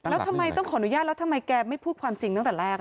แล้วทำไมต้องขออนุญาตแล้วทำไมแกไม่พูดความจริงตั้งแต่แรก